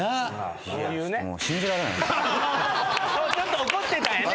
・ちょっと怒ってたよね。